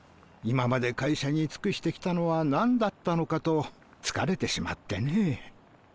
今まで会社に尽くしてきたのは何だったのかと疲れてしまってね。